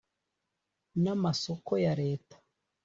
n amasoko ya Leta